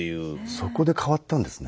そこで変わったんですね。